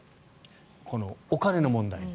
このお金の問題で。